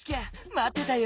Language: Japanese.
まってたよ。